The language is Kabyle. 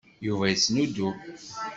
Yuba yettnudum.